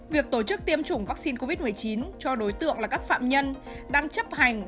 việc tổ chức tiêm chủng vaccine covid một mươi chín cho đối tượng là các phạm nhân đang chấp hành